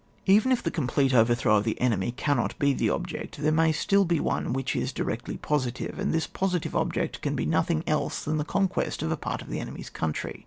Eyzn if the complete overthrow of the enemy cannot be the object, there may still be one which is directly positive, and this positive object can be nothing else than the conquest of a part of the enemy's country.